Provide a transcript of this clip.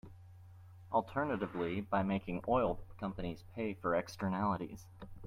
Alternatively, by making oil companies pay for externalities.